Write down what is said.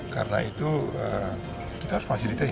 karena itu kita harus fasilitasi